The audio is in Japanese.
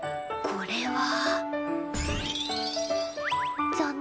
これは。